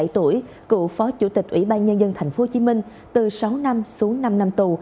một mươi tuổi cựu phó chủ tịch ủy ban nhân dân tp hcm từ sáu năm xuống năm năm tù